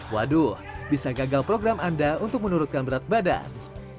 waduh bisa gagal program anda untuk menurunkan berat badan